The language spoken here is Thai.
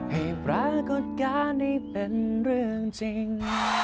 ให้ปรากฏการณ์ให้เป็นเรื่องจริง